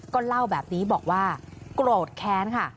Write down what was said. ก็เล่าแบบนี้บอกว่าโกรธแค้นค่ะ